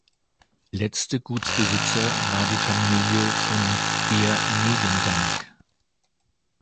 Letzte Gutsbesitzer war die Familie von Behr-Negendank.